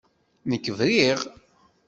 Nekk briɣ.